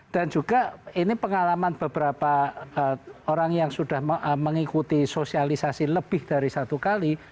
dan juga ini pengalaman beberapa orang yang sudah mengikuti sosialisasi lebih dari satu kali